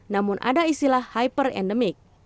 namun ada istilah hyperendemik